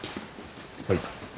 はい。